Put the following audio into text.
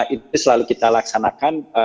itu selalu kita laksanakan